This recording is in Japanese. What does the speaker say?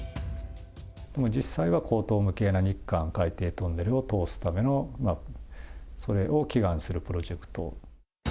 実際は荒唐無けいな、日韓海底トンネルを通すための、それを祈願するプロジェクト。